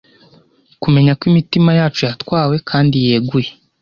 kumenya ko imitima yacu yatwawe kandi yeguye